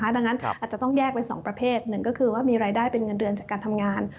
ดังนั้นอาจจะต้องแยกเป็น๒ประเภทหนึ่งก็คือว่ามีรายได้เป็นเงินเดือนจากการทำงาน